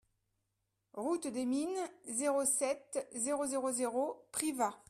Route des Mines, zéro sept, zéro zéro zéro Privas